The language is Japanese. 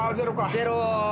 ゼロ。